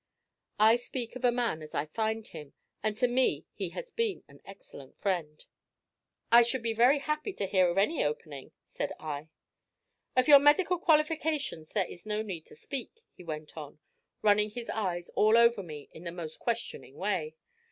I speak of a man as I find him, and to me he has been an excellent friend. "I should be very happy to hear of any opening," said I. "Of your medical qualifications there is no need to speak," he went on, running his eyes all over me in the most questioning way.